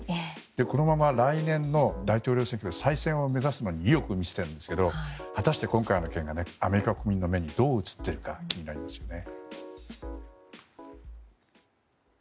このまま来年の大統領選挙で再選を目指すのに意欲を見せているんですが果たして今回の件がアメリカ国民の目にどう映っているか気になりますよね。